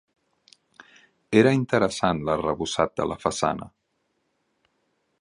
Era interessant l'arrebossat de la façana.